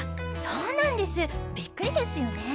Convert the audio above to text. そうなんですビックリですよね？